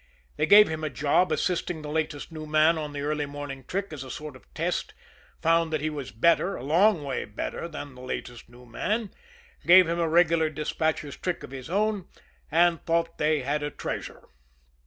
They gave him a job assisting the latest new man on the early morning trick as a sort of test, found that he was better, a long way better than the latest new man, gave him a regular despatcher's trick of his own and thought they had a treasure.